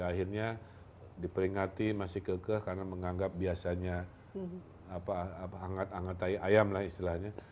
akhirnya diperingati masih keke karena menganggap biasanya angat angatai ayam lah istilahnya